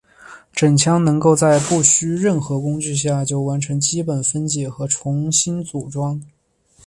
整枪能够在不需任何工具下就能完成基本分解和重新组装。